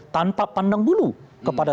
tanpa pandang bulu kepada